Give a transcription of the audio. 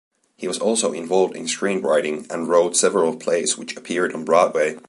He was also involved in screenwriting and wrote several plays which appeared on Broadway.